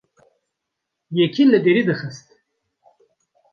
Yekî li derî dixist.